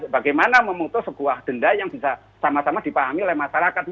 bagaimana memutus sebuah denda yang bisa sama sama dipahami oleh masyarakat